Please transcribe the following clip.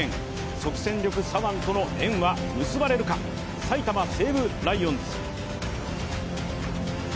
即戦力左腕との縁は結ばれるか、埼玉西武ライオンズ。